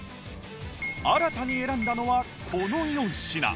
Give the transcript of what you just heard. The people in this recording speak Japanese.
新たに選んだのはこの４品